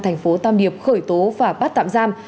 thành phố tam điệp khởi tố và bắt tạm giam